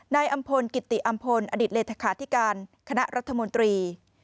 นายอำพลกิติอำพลอดิษฐเลขาธิการคณะรัฐมนตรี